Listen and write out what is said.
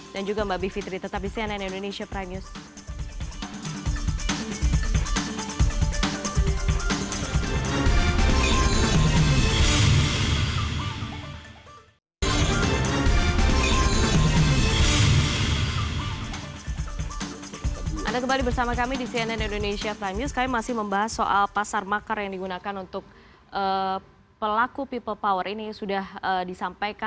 dan juga mbak bivitri tetap di cnn indonesia prime news